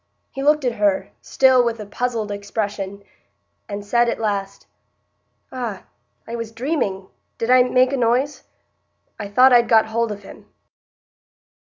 He looked at her, still with a puzzled expression, and said at last: "Ah!—I was dreaming—did I make a noise?—I thought I'd got hold of him."